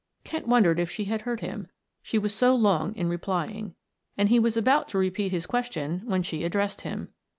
Kent wondered if she had heard him, she was so long in replying, and he was about to repeat his question when she addressed him.